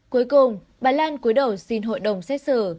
cuối cùng bà lan cuối đầu xin hội đồng xét xử